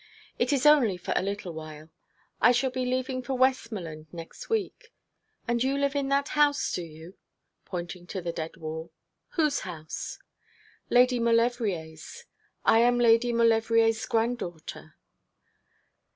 It is only for a little while. I shall be leaving Westmoreland next week. And you live in that house, do you?' pointing to the dead wall. 'Whose house?' 'Lady Maulevrier's. I am Lady Maulevrier's granddaughter.'